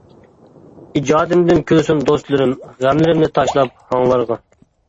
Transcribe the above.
ئىجادىمدىن كۈلسۇن دوستلىرىم غەملىرىنى تاشلاپ ھاڭلارغا.